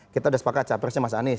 kita ada sepakat cawapresnya mas anies